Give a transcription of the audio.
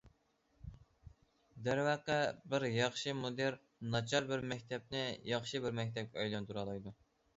دەرۋەقە، بىر ياخشى مۇدىر ناچار بىر مەكتەپنى ياخشى بىر مەكتەپكە ئايلاندۇرالايدۇ.